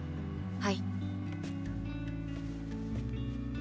はい。